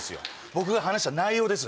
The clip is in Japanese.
僕が話した内容です。